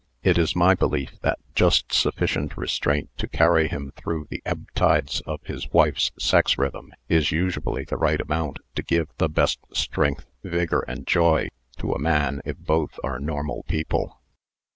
It is my belief that just sufficient restraint to carry him through the ebb tides of his wife's sex rhythm is usually the right amount to give the best strength, vigour, and joy to a man if both are normal people.